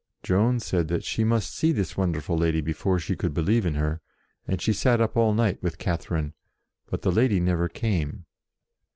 Joan said that she must see this wonderful lady before she could believe in her, and she sat up all night with Catherine ; but the lady never came.